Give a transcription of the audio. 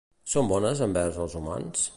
Són bones envers els humans?